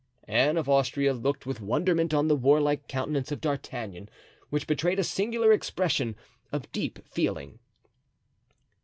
Anne of Austria looked with wonderment on the warlike countenance of D'Artagnan, which betrayed a singular expression of deep feeling.